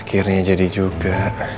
akhirnya jadi juga